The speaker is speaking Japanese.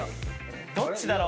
・どっちだろう？